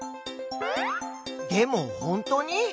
でもほんとに？